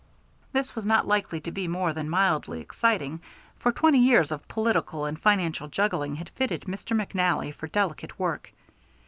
This was not likely to be more than mildly exciting, for twenty years of political and financial juggling had fitted Mr. McNally for delicate work.